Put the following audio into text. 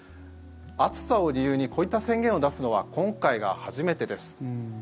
暑さを理由にこういった宣言を出すのは今回が初めてです。